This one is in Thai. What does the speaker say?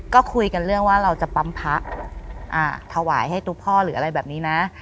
ก็คุยกันเรื่องว่าเราจะปั๊มพระถวายให้ตัวพ่อหรืออะไรแบบนี้นะ